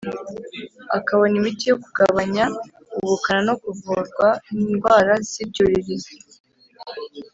akabona imiti yo kugabanya ubukana no kuvurwa indwara z’ ibyuririzi.